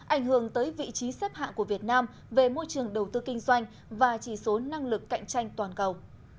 ảnh hưởng tới vị trí xếp hạng của việt nam về môi trường đầu tư kinh doanh và chỉ số năng lực cạnh tranh toàn cầu